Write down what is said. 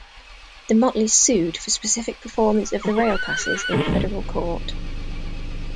The Mottleys sued for specific performance of the rail passes in federal court.